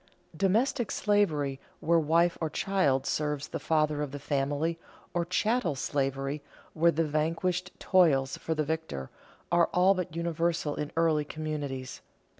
Domestic slavery, where wife or child serves the father of the family, or chattel slavery, where the vanquished toils for the victor, are all but universal in early communities.